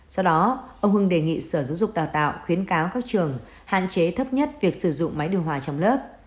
do đó ông hưng đề nghị sở giáo dục đào tạo khuyến cáo các trường hạn chế thấp nhất việc sử dụng máy điều hòa trong lớp